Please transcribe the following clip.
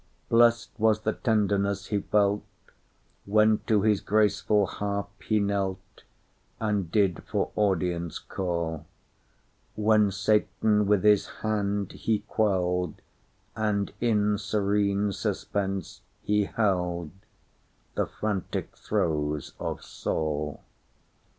Blest was the tenderness he felt, When to his graceful harp he knelt, And did for audience call; When Satan with his hand he quelled, And in serene suspense he heldThe frantic throes of Saul.